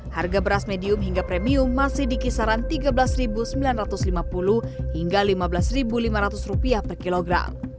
harga beras medium hingga premium masih di kisaran rp tiga belas sembilan ratus lima puluh hingga rp lima belas lima ratus per kilogram